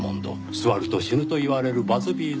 座ると死ぬと言われるバズビーズ・チェア。